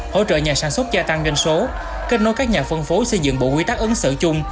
hỗ trợ nhà sản xuất gia tăng doanh số kết nối các nhà phân phối xây dựng bộ quy tắc ứng xử chung